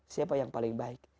siapa yang paling baik